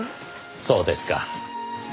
そうですか。